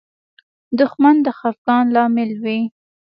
دښمن د خفګان لامل وي